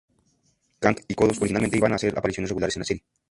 Kang y Kodos originalmente iban a hacer apariciones regulares en la serie.